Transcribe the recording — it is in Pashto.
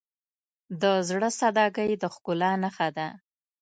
د زړه سادگی د ښکلا نښه ده.